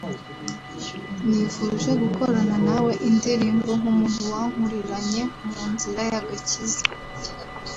nifuje gukorana na we indirimbo nk’umuntu wankuriranye mu nzira y’agakiza